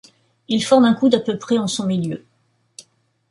Il forme un coude à peu près en son milieu.